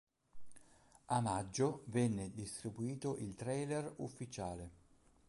A maggio venne distribuito il trailer ufficiale.